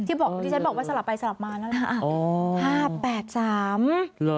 บอกที่ฉันบอกว่าสลับไปสลับมาแล้วนะ